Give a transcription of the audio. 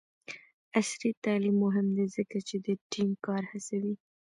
عصري تعلیم مهم دی ځکه چې د ټیم کار هڅوي.